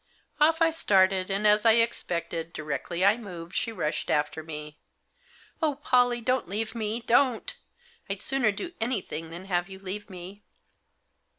Off I started ; and, as I expected, directly I moved, she rushed after me. " Oh, Pollie, don't leave me, don't. I'd sooner do anything than have you leave me."